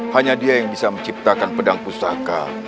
hanya dia yang bisa menciptakan pedang pusaka